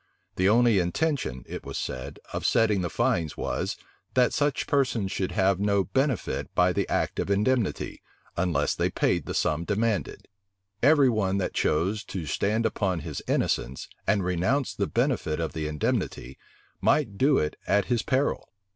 The only intention, it was said, of setting the fines was, that such persons should have no benefit by the act of indemnity, unless they paid the sum demanded: every one that chose to stand upon his innocence, and renounce the benefit of the indemnity, might do it at his peril.